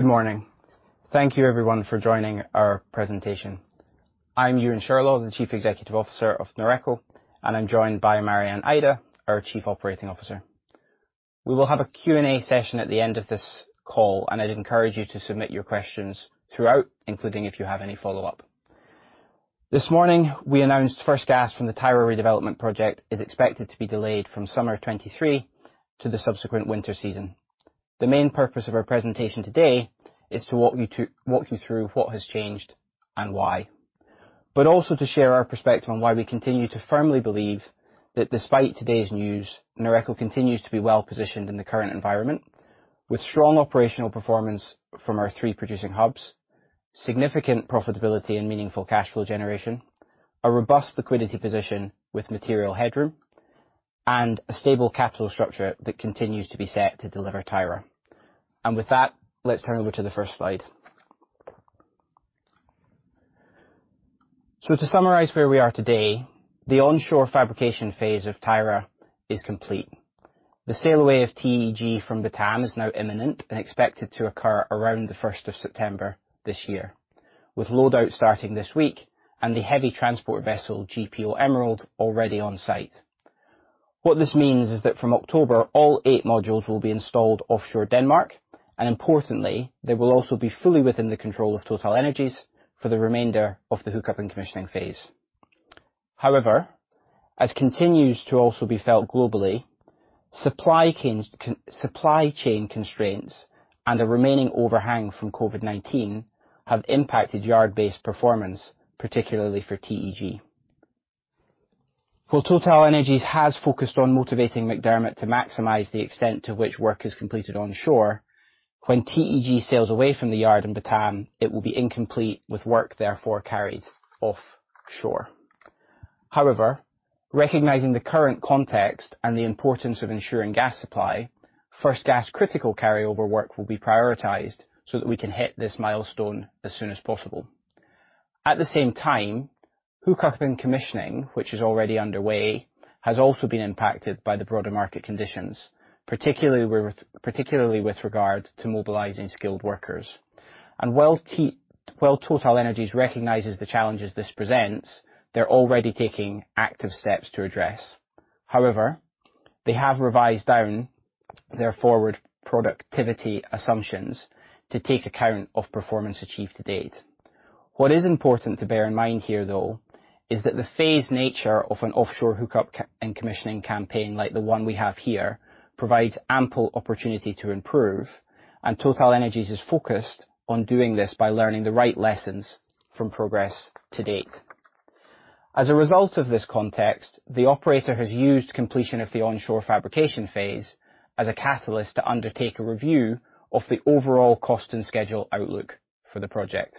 Good morning. Thank you everyone for joining our presentation. I'm Euan Shirlaw, the Chief Executive Officer of Noreco, and I'm joined by Marianne Eide, our Chief Operating Officer. We will have a Q&A session at the end of this call, and I'd encourage you to submit your questions throughout, including if you have any follow-up. This morning, we announced first gas from the Tyra Redevelopment Project is expected to be delayed from summer 2023 to the subsequent winter season. The main purpose of our presentation today is to walk you through what has changed and why, but also to share our perspective on why we continue to firmly believe that despite today's news, Noreco continues to be well-positioned in the current environment with strong operational performance from our three producing hubs, significant profitability and meaningful cash flow generation, a robust liquidity position with material headroom, and a stable capital structure that continues to be set to deliver Tyra. With that, let's turn over to the first slide. To summarize where we are today, the onshore fabrication phase of Tyra is complete. The sail away of TEG from Batam is now imminent and expected to occur around the 1st of September this year, with loadout starting this week and the heavy transport vessel GPO Emerald already on-site. What this means is that from October, all eight modules will be installed offshore Denmark, and importantly, they will also be fully within the control of TotalEnergies for the remainder of the hookup and commissioning phase. However, as it continues to also be felt globally, supply chain constraints and a remaining overhang from COVID-19 have impacted yard-based performance, particularly for TEG. While TotalEnergies has focused on motivating McDermott to maximize the extent to which work is completed onshore, when TEG sails away from the yard in Batam, it will be incomplete with work therefore carried offshore. However, recognizing the current context and the importance of ensuring gas supply, first gas critical carryover work will be prioritized so that we can hit this milestone as soon as possible. At the same time, hookup and commissioning, which is already underway, has also been impacted by the broader market conditions, particularly with regard to mobilizing skilled workers. While TotalEnergies recognizes the challenges this presents, they're already taking active steps to address. However, they have revised down their forward productivity assumptions to take account of performance achieved to date. What is important to bear in mind here, though, is that the phased nature of an offshore hookup and commissioning campaign like the one we have here, provides ample opportunity to improve, and TotalEnergies is focused on doing this by learning the right lessons from progress to date. As a result of this context, the operator has used completion of the onshore fabrication phase as a catalyst to undertake a review of the overall cost and schedule outlook for the project.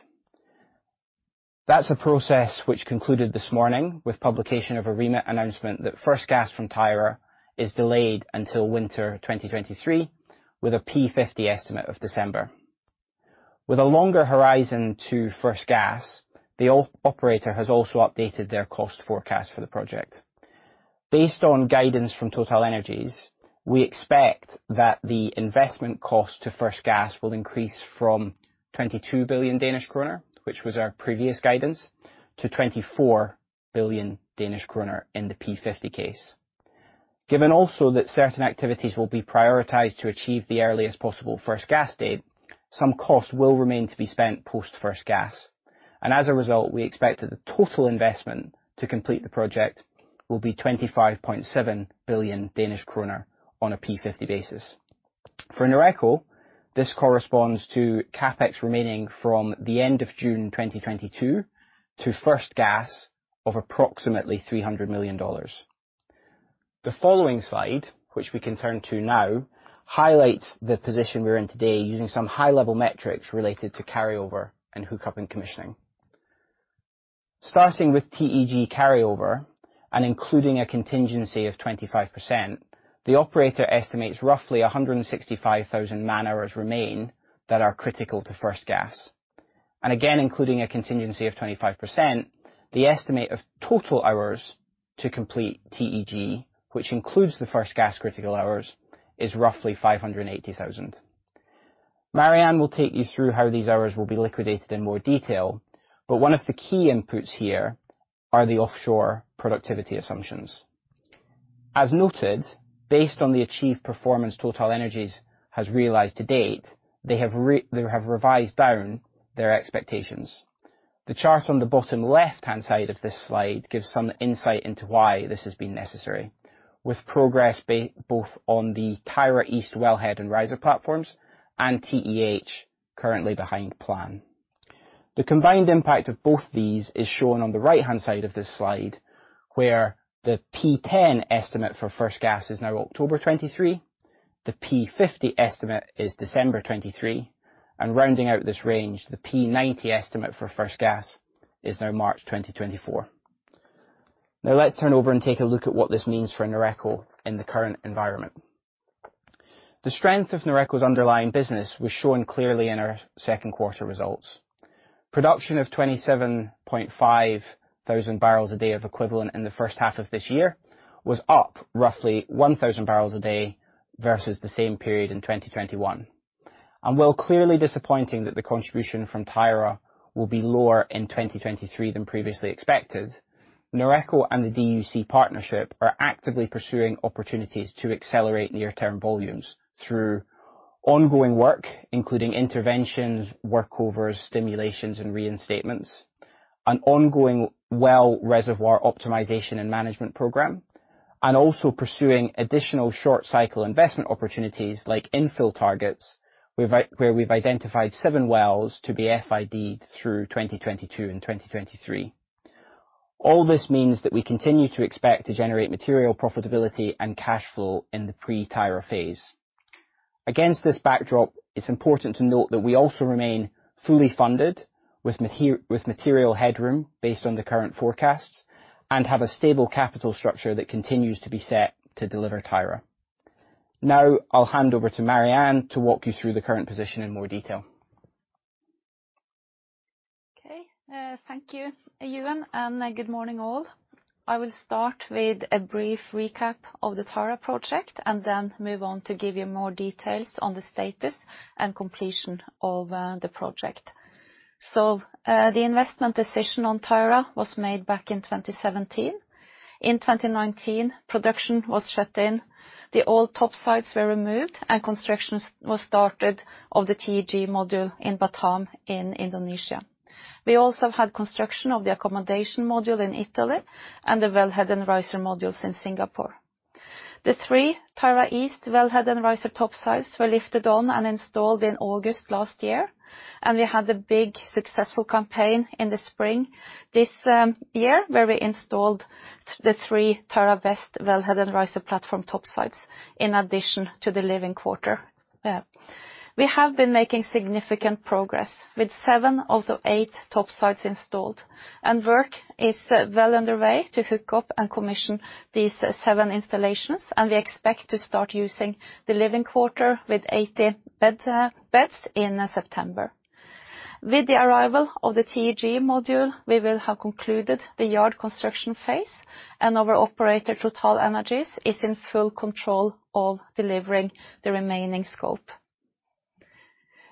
That's a process which concluded this morning with publication of a remit announcement that first gas from Tyra is delayed until winter 2023, with a P50 estimate of December. With a longer horizon to first gas, the operator has also updated their cost forecast for the project. Based on guidance from TotalEnergies, we expect that the investment cost to first gas will increase from 22 billion Danish kroner, which was our previous guidance, to 24 billion Danish kroner in the P50 case. Given also that certain activities will be prioritized to achieve the earliest possible first gas date, some costs will remain to be spent post first gas. As a result, we expect that the total investment to complete the project will be 25.7 billion Danish kroner on a P50 basis. For Noreco, this corresponds to CapEx remaining from the end of June 2022 to first gas of approximately $300 million. The following slide, which we can turn to now, highlights the position we're in today using some high-level metrics related to carryover and hookup and commissioning. Starting with TEG carryover and including a contingency of 25%, the operator estimates roughly 165,000 man-hours remain that are critical to first gas. Again, including a contingency of 25%, the estimate of total hours to complete TEG, which includes the first gas critical hours, is roughly 580,000. Marianne will take you through how these hours will be liquidated in more detail, but one of the key inputs here are the offshore productivity assumptions. As noted, based on the achieved performance TotalEnergies has realized to date, they have they have revised down their expectations. The chart on the bottom left-hand side of this slide gives some insight into why this has been necessary. With progress both on the Tyra East wellhead and riser platforms and TEH currently behind plan. The combined impact of both these is shown on the right-hand side of this slide, where the P10 estimate for first gas is now October 2023, the P50 estimate is December 2023, and rounding out this range, the P90 estimate for first gas is now March 2024. Now let's turn over and take a look at what this means for Noreco in the current environment. The strength of BlueNord's underlying business was shown clearly in our second quarter results. Production of 27,500 bbl a day of equivalent in the first half of this year was up roughly 1,000 bbl a day versus the same period in 2021. While clearly disappointing that the contribution from Tyra will be lower in 2023 than previously expected, Noreco and the DUC partnership are actively pursuing opportunities to accelerate near-term volumes through ongoing work, including interventions, workovers, stimulations, and reinstatements, an ongoing well reservoir optimization and management program. Also pursuing additional short cycle investment opportunities like infill targets, where we've identified seven wells to be FID'd through 2022 and 2023. All this means that we continue to expect to generate material profitability and cash flow in the pre-Tyra phase. Against this backdrop, it's important to note that we also remain fully funded with material headroom based on the current forecasts, and have a stable capital structure that continues to be set to deliver Tyra. Now I'll hand over to Marianne to walk you through the current position in more detail. Okay. Thank you, Euan, and good morning all. I will start with a brief recap of the Tyra project, and then move on to give you more details on the status and completion of the project. The investment decision on Tyra was made back in 2017. In 2019, production was shut in. The old topsides were removed and construction was started of the TEG module in Batam in Indonesia. We also had construction of the accommodation module in Italy and the wellhead and riser modules in Singapore. The three Tyra East wellhead and riser topsides were lifted on and installed in August last year, and we had a big successful campaign in the spring this year, where we installed the three Tyra West wellhead and riser platform topsides in addition to the living quarters. We have been making significant progress with seven of the eight topsides installed, and work is well underway to hookup and commission these seven installations, and we expect to start using the living quarters with 80 beds in September. With the arrival of the TEG module, we will have concluded the yard construction phase and our operator, TotalEnergies, is in full control of delivering the remaining scope.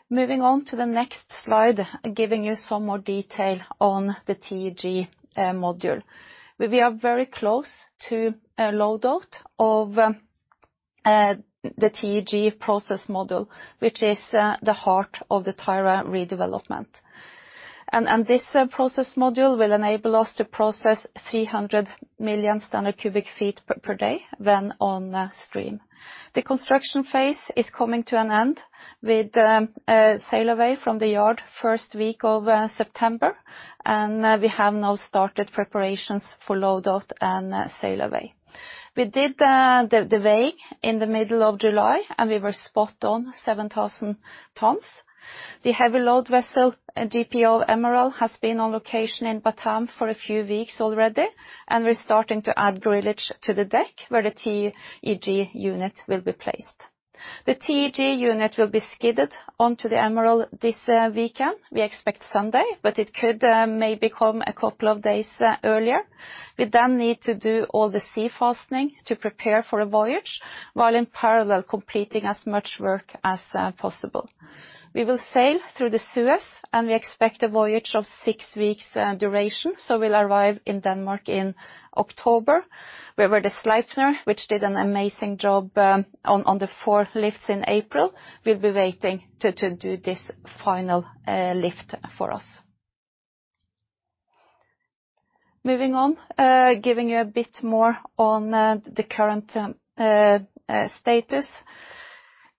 Moving on to the next slide, giving you some more detail on the TEG module. We are very close to a loadout of the TEG process module, which is the heart of the Tyra Redevelopment. This process module will enable us to process 300 million standard cubic feet per day when on stream. The construction phase is coming to an end with sail away from the yard first week of September, and we have now started preparations for load out and sail away. We did the weigh in the middle of July, and we were spot on 7,000 tons. The heavy load vessel GPO Emerald has been on location in Batam for a few weeks already, and we're starting to add grillage to the deck where the TEG unit will be placed. The TEG unit will be skidded onto the Emerald this weekend. We expect Sunday, but it could maybe come a couple of days earlier. We then need to do all the sea fastening to prepare for a voyage, while in parallel completing as much work as possible. We will sail through the Suez, and we expect a voyage of six weeks duration, so we'll arrive in Denmark in October, where, with the Sleipnir, which did an amazing job on the four lifts in April, will be waiting to do this final lift for us. Moving on, giving you a bit more on the current status.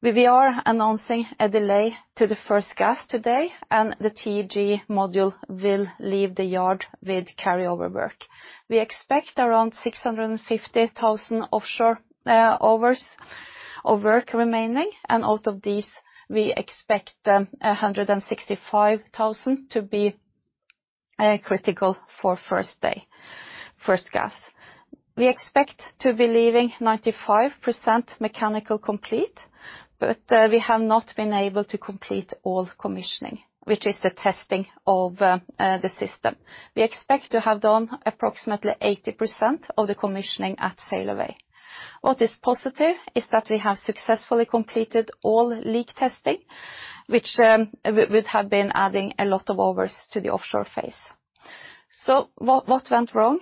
We are announcing a delay to the first gas today, and the TEG module will leave the yard with carryover work. We expect around 650,000 offshore hours of work remaining, and out of these, we expect 165,000 to be critical for first gas. We expect to be leaving 95% mechanical complete, but we have not been able to complete all commissioning, which is the testing of the system. We expect to have done approximately 80% of the commissioning at sail away. What is positive is that we have successfully completed all leak testing, which would have been adding a lot of hours to the offshore phase. What went wrong?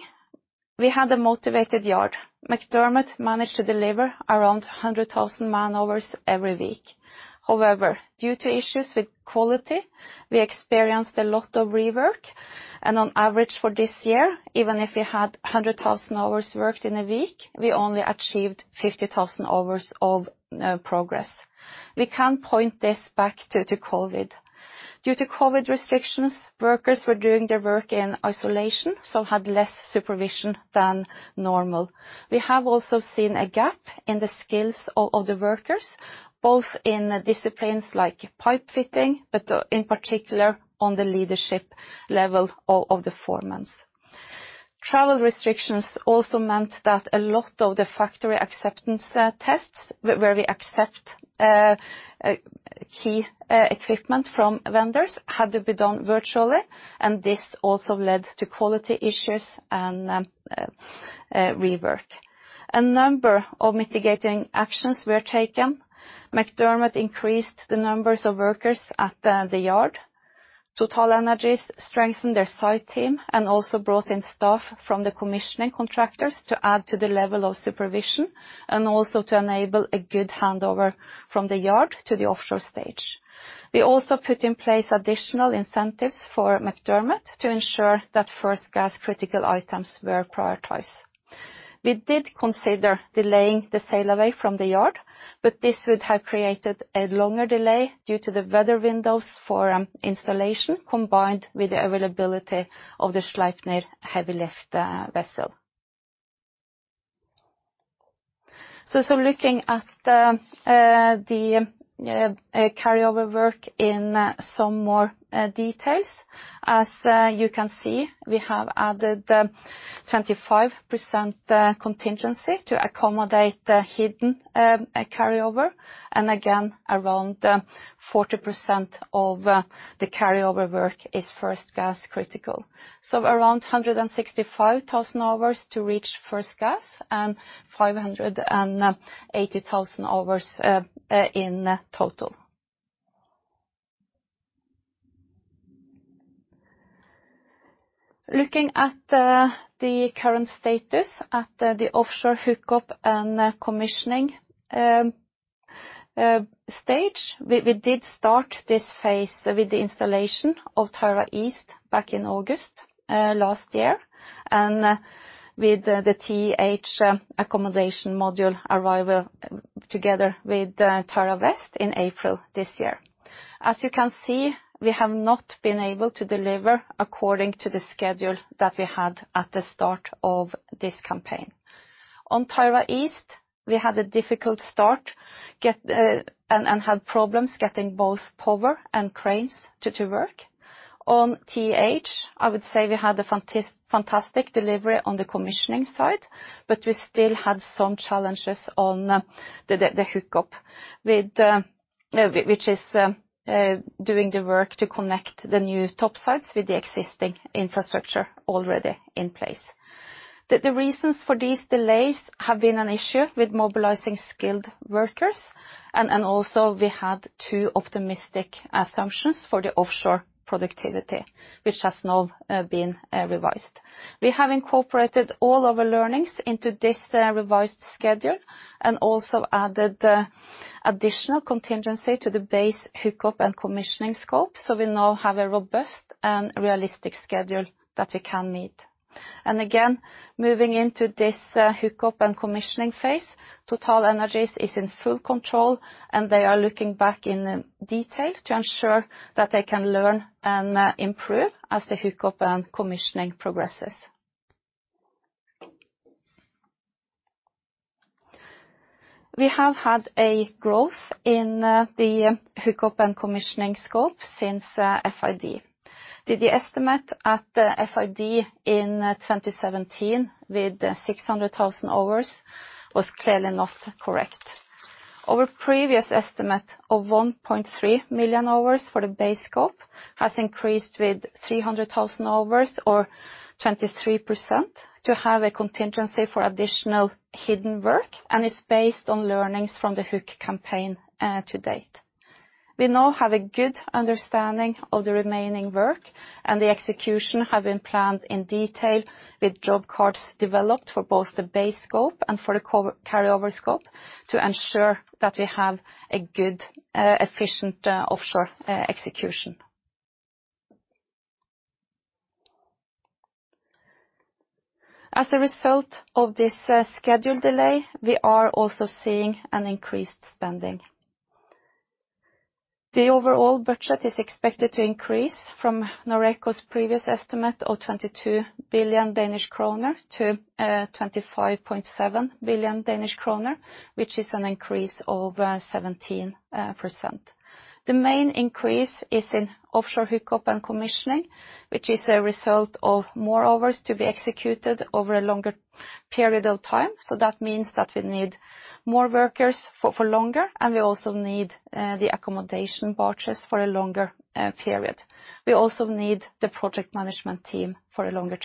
We had a motivated yard. McDermott managed to deliver around 100,000 man-hours every week. However, due to issues with quality, we experienced a lot of rework. On average for this year, even if we had 100,000 hours worked in a week, we only achieved 50,000 hours of progress. We can point this back to COVID. Due to COVID restrictions, workers were doing their work in isolation, so had less supervision than normal. We have also seen a gap in the skills of the workers, both in disciplines like pipe fitting, but in particular on the leadership level of the foremen. Travel restrictions also meant that a lot of the factory acceptance tests where we accept key equipment from vendors had to be done virtually, and this also led to quality issues and rework. A number of mitigating actions were taken. McDermott increased the numbers of workers at the yard. TotalEnergies strengthened their site team and also brought in staff from the commissioning contractors to add to the level of supervision and also to enable a good handover from the yard to the offshore stage. We also put in place additional incentives for McDermott to ensure that first gas critical items were prioritized. We did consider delaying the sail away from the yard, but this would have created a longer delay due to the weather windows for installation, combined with the availability of the Sleipnir heavy lift vessel. Looking at the carry over work in some more details. As you can see, we have added 25% contingency to accommodate the hidden carry over. Again, around 40% of the carry over work is first gas critical. Around 165,000 hours to reach first gas and 580,000 hours in total. Looking at the current status at the offshore hookup and commissioning stage, we did start this phase with the installation of Tyra East back in August last year, and with the TH accommodation module arrival together with Tyra West in April this year. As you can see, we have not been able to deliver according to the schedule that we had at the start of this campaign. On Tyra East, we had a difficult start and had problems getting both power and cranes to work. On TH, I would say we had a fantastic delivery on the commissioning side, but we still had some challenges on the hookup with Noble, which is doing the work to connect the new topsides with the existing infrastructure already in place. The reasons for these delays have been an issue with mobilizing skilled workers. We had two optimistic assumptions for the offshore productivity, which has now been revised. We have incorporated all of our learnings into this revised schedule and also added the additional contingency to the base hookup and commissioning scope. We now have a robust and realistic schedule that we can meet. Again, moving into this hookup and commissioning phase, TotalEnergies is in full control, and they are looking back in detail to ensure that they can learn and improve as the hookup and commissioning progresses. We have had a growth in the hookup and commissioning scope since FID. The estimate at the FID in 2017 with 600,000 hours was clearly not correct. Our previous estimate of 1.3 million hours for the base scope has increased with 300,000 hours or 23% to have a contingency for additional hidden work, and it's based on learnings from the hookup campaign to date. We now have a good understanding of the remaining work, and the execution have been planned in detail with job cards developed for both the base scope and for the carryover scope to ensure that we have a good, efficient, offshore execution. As a result of this schedule delay, we are also seeing an increased spending. The overall budget is expected to increase from Noreco's previous estimate of 22 billion-25.7 billion Danish kroner, which is an increase of 17%. The main increase is in offshore hookup and commissioning, which is a result of more hours to be executed over a longer period of time. That means that we need more workers for longer, and we also need the accommodation barges for a longer period. We also need the project management team for a longer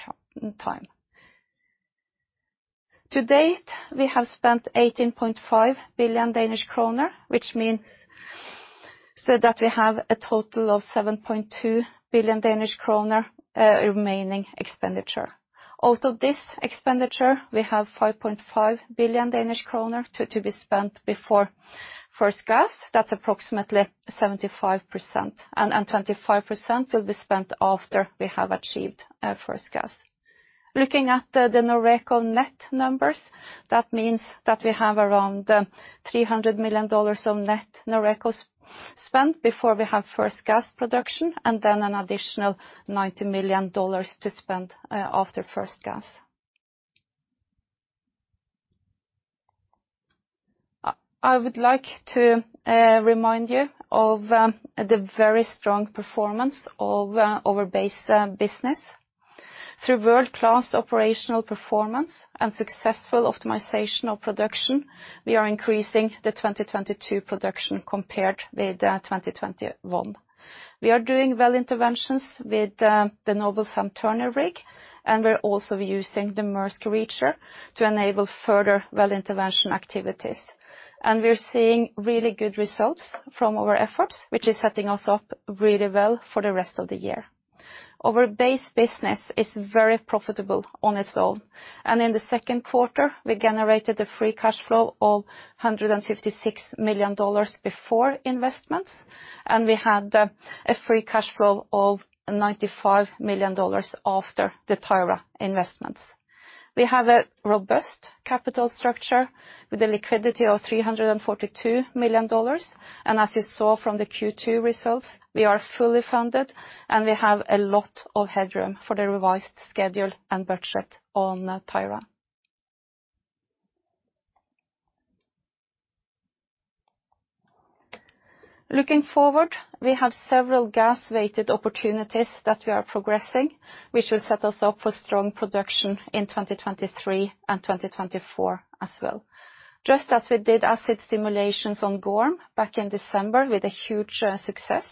time. To date, we have spent 18.5 billion Danish kroner, which means so that we have a total of 7.2 billion Danish kroner remaining expenditure. Out of this expenditure, we have 5.5 billion Danish kroner to be spent before first gas. That's approximately 75%. 25% will be spent after we have achieved first gas. Looking at the Noreco net numbers, that means that we have around $300 million of net Noreco spent before we have first gas production, and then an additional $90 million to spend after first gas. I would like to remind you of the very strong performance of our base business. Through world-class operational performance and successful optimization of production, we are increasing the 2022 production compared with 2021. We are doing well interventions with the Noble Sam Turner rig, and we're also using the Maersk Reacher to enable further well intervention activities. We're seeing really good results from our efforts, which is setting us up really well for the rest of the year. Our base business is very profitable on its own, and in the second quarter, we generated a free cash flow of $156 million before investments, and we had a free cash flow of $95 million after the Tyra investments. We have a robust capital structure with a liquidity of $342 million, and as you saw from the Q2 results, we are fully funded, and we have a lot of headroom for the revised schedule and budget on Tyra. Looking forward, we have several gas-weighted opportunities that we are progressing, which will set us up for strong production in 2023 and 2024 as well. Just as we did acid stimulation on Gorm back in December with a huge success,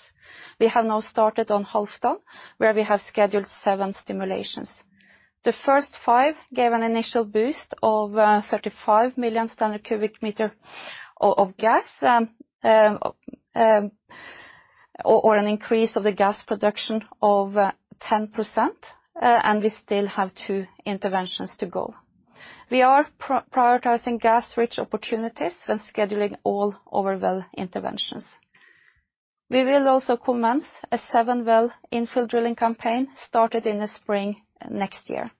we have now started on Halfdan, where we have scheduled seven stimulations. The first five gave an initial boost of 35 million standard cubic meter of gas or an increase of the gas production of 10%, and we still have two interventions to go. We are prioritizing gas-rich opportunities when scheduling all of our well interventions. We will also commence a seven-well infill drilling campaign started in the spring next year.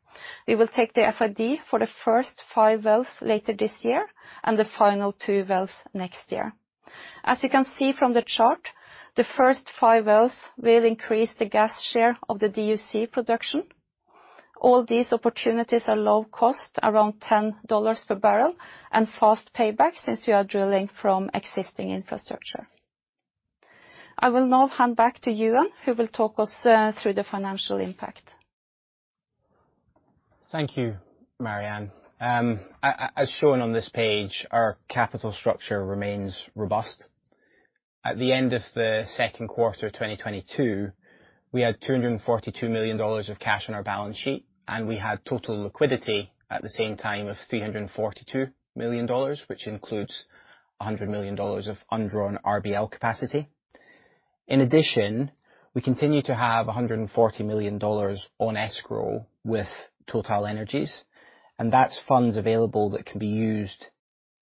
We will take the FID for the first five wells later this year and the final two wells next year. As you can see from the chart, the first five wells will increase the gas share of the DUC production. All these opportunities are low cost, around $10 per barrel, and fast payback, since we are drilling from existing infrastructure. I will now hand back to Euan, who will talk us through the financial impact. Thank you, Marianne. As shown on this page, our capital structure remains robust. At the end of the second quarter of 2022, we had $242 million of cash on our balance sheet, and we had total liquidity at the same time of $342 million, which includes $100 million of undrawn RBL capacity. In addition, we continue to have $140 million on escrow with TotalEnergies, and that's funds available that can be used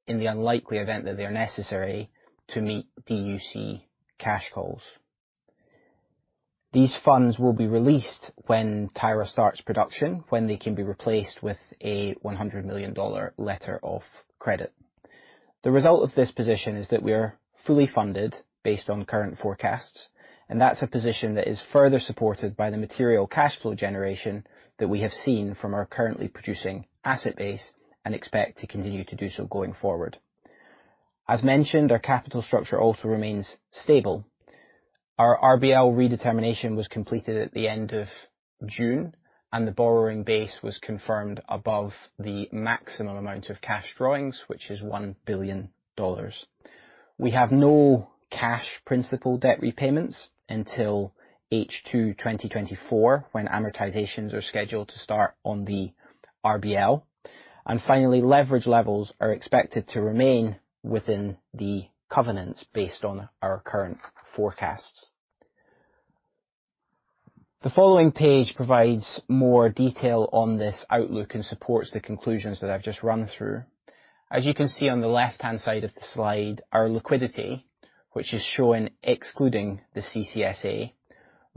in the unlikely event that they're necessary to meet DUC cash flows. These funds will be released when Tyra starts production, when they can be replaced with a $100 million letter of credit. The result of this position is that we are fully funded based on current forecasts, and that's a position that is further supported by the material cash flow generation that we have seen from our currently producing asset base and expect to continue to do so going forward. As mentioned, our capital structure also remains stable. Our RBL redetermination was completed at the end of June, and the borrowing base was confirmed above the maximum amount of cash drawings, which is $1 billion. We have no cash principal debt repayments until H2 2024 when amortizations are scheduled to start on the RBL. Finally, leverage levels are expected to remain within the covenants based on our current forecasts. The following page provides more detail on this outlook and supports the conclusions that I've just run through. As you can see on the left-hand side of the slide, our liquidity, which is shown excluding the CCSA,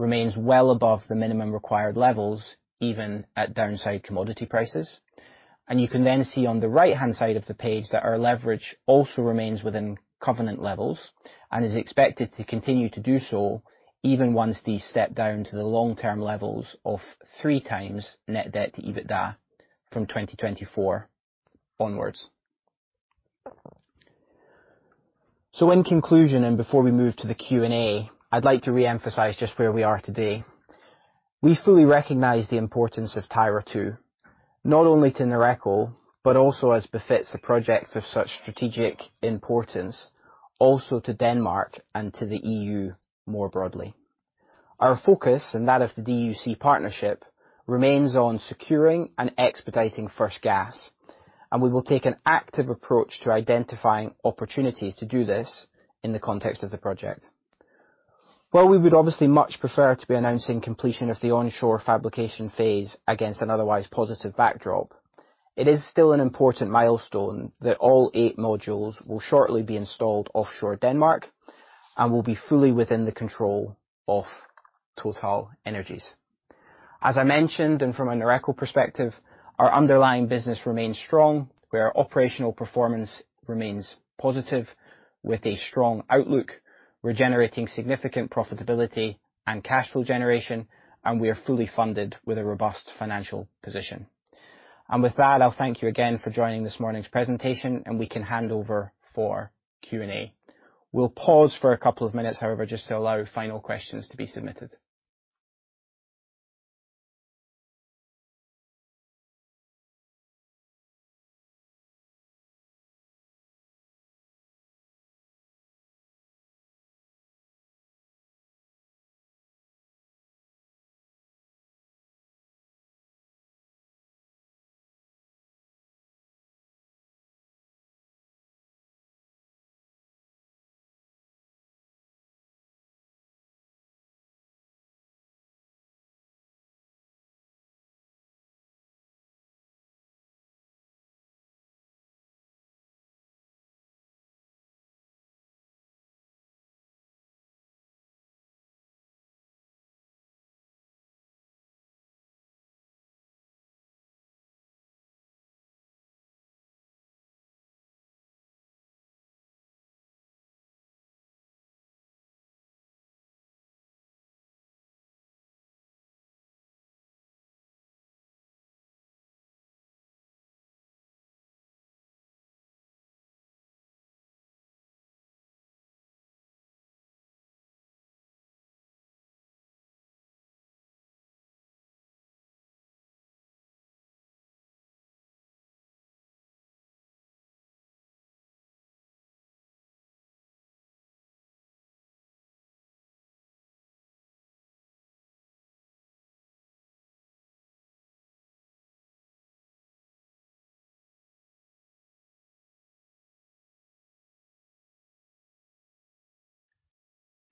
remains well above the minimum required levels, even at downside commodity prices. You can then see on the right-hand side of the page that our leverage also remains within covenant levels and is expected to continue to do so even once these step down to the long-term levels of 3x net debt-to-EBITDA from 2024 onwards. In conclusion, and before we move to the Q&A, I'd like to reemphasize just where we are today. We fully recognize the importance of Tyra II, not only to Noreco, but also as befits the project of such strategic importance also to Denmark and to the E.U. more broadly. Our focus and that of the DUC partnership remains on securing and expediting first gas, and we will take an active approach to identifying opportunities to do this in the context of the project. While we would obviously much prefer to be announcing completion of the onshore fabrication phase against an otherwise positive backdrop, it is still an important milestone that all eight modules will shortly be installed offshore Denmark and will be fully within the control of TotalEnergies. As I mentioned, and from a Noreco perspective, our underlying business remains strong, where our operational performance remains positive. With a strong outlook, we're generating significant profitability and cash flow generation, and we are fully funded with a robust financial position. With that, I'll thank you again for joining this morning's presentation and we can hand over for Q&A.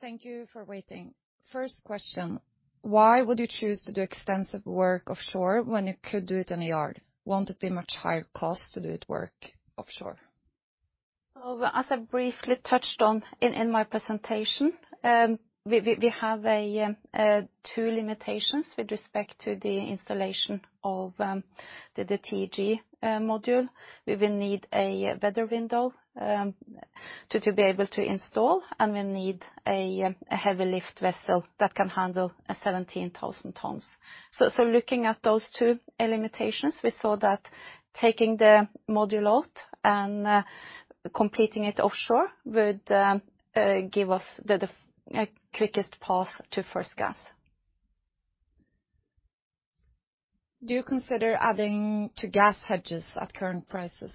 Thank you for waiting. First question, why would you choose to do extensive work offshore when you could do it in a yard? Won't it be much higher cost to do the work offshore? As I briefly touched on in my presentation, we have two limitations with respect to the installation of the TEG module. We will need a weather window to be able to install, and we'll need a heavy lift vessel that can handle 17,000 tons. Looking at those two limitations, we saw that taking the module out and completing it offshore would give us the quickest path to first gas. Do you consider adding to gas hedges at current prices?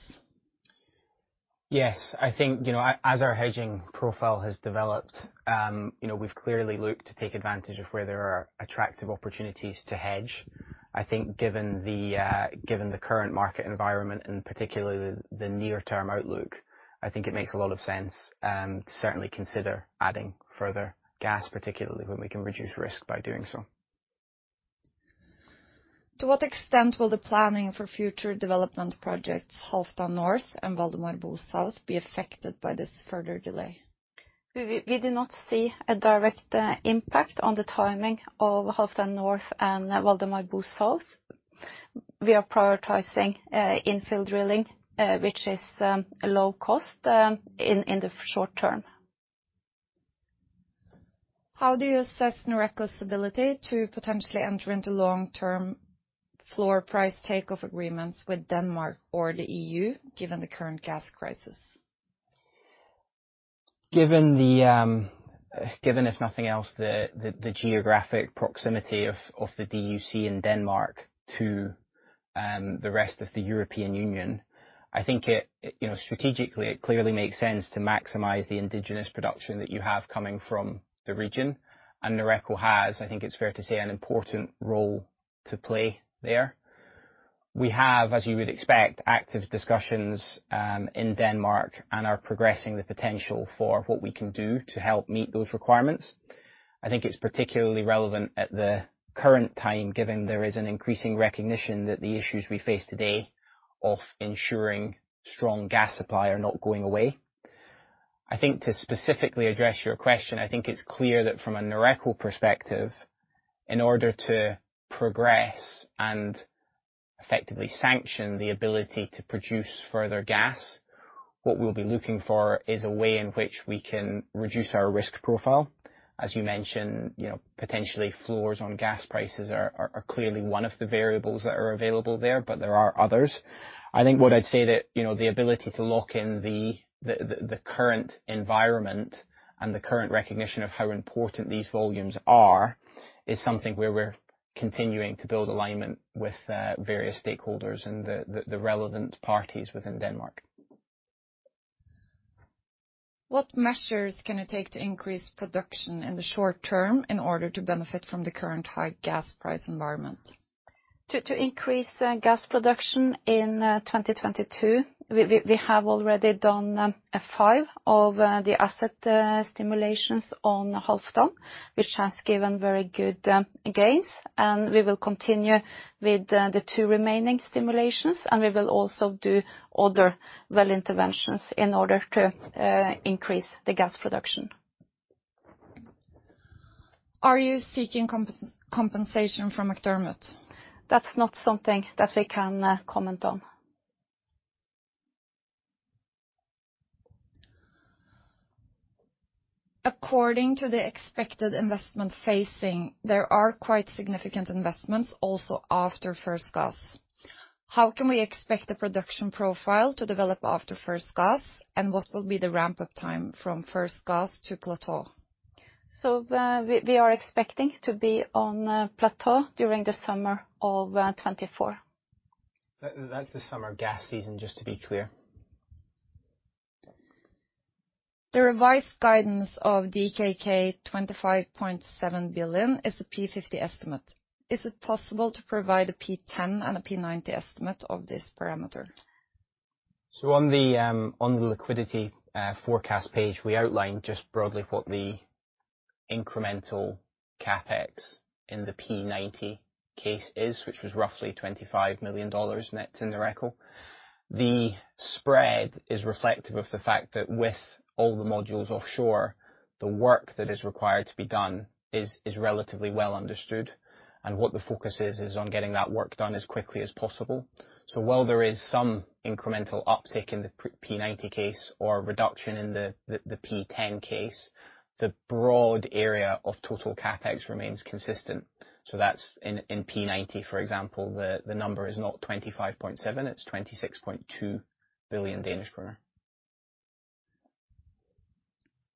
Yes. I think, you know, as our hedging profile has developed, you know, we've clearly looked to take advantage of where there are attractive opportunities to hedge. I think given the current market environment and particularly the near-term outlook, I think it makes a lot of sense, to certainly consider adding further gas, particularly when we can reduce risk by doing so. To what extent will the planning for future development projects, Halfdan North and Valdemar Bo South, be affected by this further delay? We do not see a direct impact on the timing of Halfdan North and Valdemar Bo South. We are prioritizing infill drilling, which is a low cost in the short term. How do you assess Noreco's ability to potentially enter into long-term floor price take-or-pay agreements with Denmark or the E.U., given the current gas crisis? Given, if nothing else, the geographic proximity of the DUC in Denmark to the rest of the European Union, I think, you know, strategically, it clearly makes sense to maximize the indigenous production that you have coming from the region. Noreco has, I think it's fair to say, an important role to play there. We have, as you would expect, active discussions in Denmark and are progressing the potential for what we can do to help meet those requirements. I think it's particularly relevant at the current time, given there is an increasing recognition that the issues we face today of ensuring strong gas supply are not going away. I think to specifically address your question, I think it's clear that from a Noreco perspective, in order to progress and effectively sanction the ability to produce further gas, what we'll be looking for is a way in which we can reduce our risk profile. As you mentioned, you know, potentially floors on gas prices are clearly one of the variables that are available there, but there are others. I think what I'd say that, you know, the ability to lock in the current environment and the current recognition of how important these volumes are is something where we're continuing to build alignment with various stakeholders and the relevant parties within Denmark. What measures can it take to increase production in the short term in order to benefit from the current high gas price environment? To increase gas production in 2022, we have already done five of the acid stimulations on Halfdan, which has given very good gains. We will continue with the two remaining stimulations, and we will also do other well interventions in order to increase the gas production. Are you seeking compensation from McDermott? That's not something that we can comment on. According to the expected investment phasing, there are quite significant investments also after first gas. How can we expect the production profile to develop after first gas, and what will be the ramp-up time from first gas to plateau? We are expecting to be on plateau during the summer of 2024. That's the summer gas season, just to be clear. The revised guidance of DKK 25.7 billion is a P50 estimate. Is it possible to provide a P10 and a P90 estimate of this parameter? On the liquidity forecast page, we outlined just broadly what the incremental CapEx in the P90 case is, which was roughly $25 million net to Noreco. The spread is reflective of the fact that with all the modules offshore, the work that is required to be done is relatively well understood. What the focus is on getting that work done as quickly as possible. While there is some incremental uptick in the P90 case or reduction in the P10 case, the broad area of total CapEx remains consistent. That's in P90, for example, the number is not 25.7, it's 26.2 billion Danish kroner.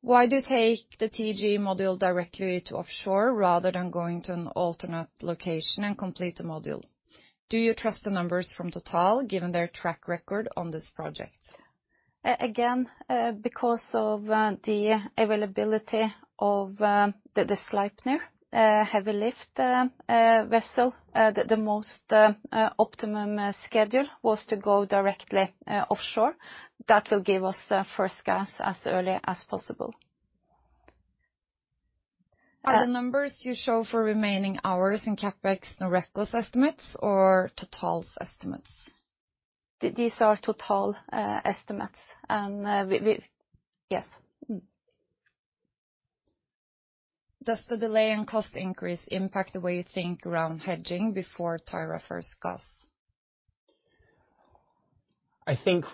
Why do you take the TEG module directly to offshore rather than going to an alternate location and complete the module? Do you trust the numbers from TotalEnergies given their track record on this project? Again, because of the availability of the Sleipnir heavy lift vessel, the most optimum schedule was to go directly offshore. That will give us first gas as early as possible. Are the numbers you show for remaining hours in CapEx Noreco's estimates or Total's estimates? These are Total estimates. Yes. Does the delay and cost increase impact the way you think around hedging before Tyra first gas? I think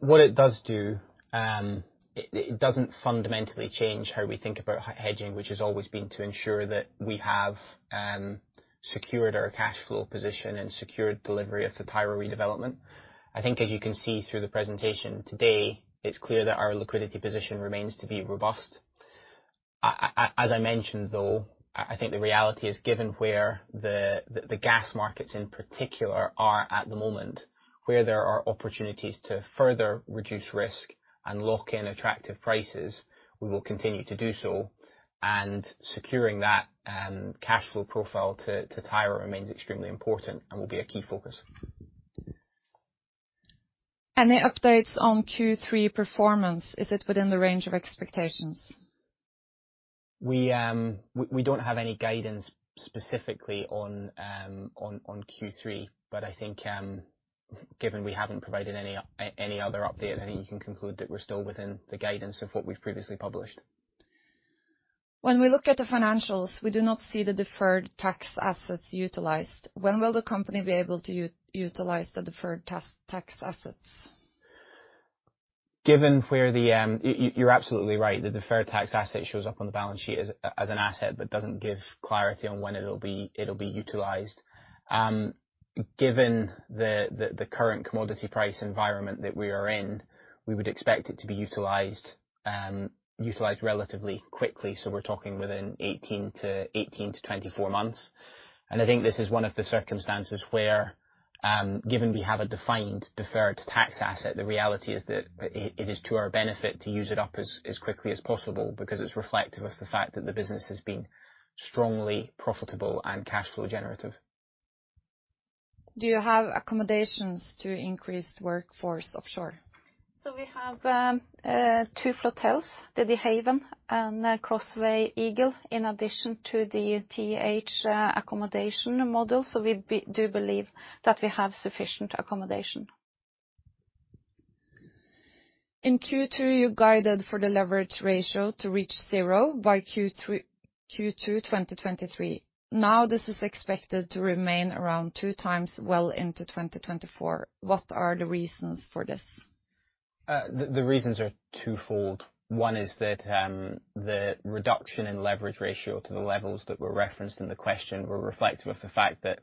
what it does do, it doesn't fundamentally change how we think about hedging, which has always been to ensure that we have secured our cash flow position and secured delivery of the Tyra Redevelopment. I think as you can see through the presentation today, it's clear that our liquidity position remains to be robust. As I mentioned, though, I think the reality is given where the gas markets in particular are at the moment, where there are opportunities to further reduce risk and lock in attractive prices, we will continue to do so. Securing that cash flow profile to Tyra remains extremely important and will be a key focus. Any updates on Q3 performance, is it within the range of expectations? We don't have any guidance specifically on Q3. I think, given we haven't provided any other update, I think you can conclude that we're still within the guidance of what we've previously published. When we look at the financials, we do not see the deferred tax assets utilized. When will the company be able to utilize the deferred tax assets? You're absolutely right. The deferred tax asset shows up on the balance sheet as an asset, but doesn't give clarity on when it'll be utilized. Given the current commodity price environment that we are in, we would expect it to be utilized relatively quickly, so we're talking within 18 to 24 months. I think this is one of the circumstances where, given we have a defined deferred tax asset, the reality is that it is to our benefit to use it up as quickly as possible because it's reflective of the fact that the business has been strongly profitable and cash flow generative. Do you have accommodations to increase workforce offshore? We have two flotels, the Haven and Crossway Eagle, in addition to the TH accommodation module. We do believe that we have sufficient accommodation. In Q2, you guided for the leverage ratio to reach zero by Q2 2023. Now this is expected to remain around 2x well into 2024. What are the reasons for this? The reasons are twofold. One is that the reduction in leverage ratio to the levels that were referenced in the question were reflective of the fact that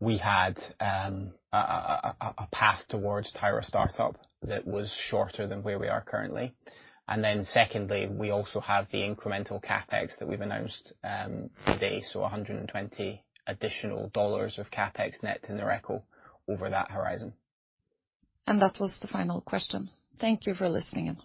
we had a path towards Tyra startup that was shorter than where we are currently. Secondly, we also have the incremental CapEx that we've announced today. $120 million of CapEx net to Noreco over that horizon. That was the final question. Thank you for listening in.